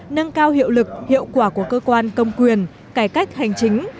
nâng cao hiệu lực hiệu quả của cơ quan công quyền cải cách hành chính